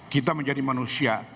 kita menjadi manusia